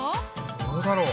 どうだろう？